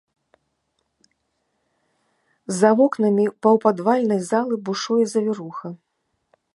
За вокнамі паўпадвальнай залы бушуе завіруха.